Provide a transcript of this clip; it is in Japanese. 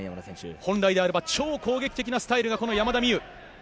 本来であれば超攻撃的なスタイルが山田美諭。